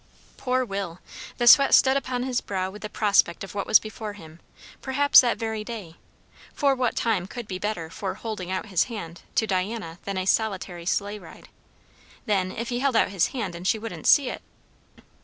Poor Will! The sweat stood upon his brow with the prospect of what was before him, perhaps that very day; for what time could be better for "holding out his hand" to Diana than a solitary sleigh ride? Then, if he held out his hand and she wouldn't see it!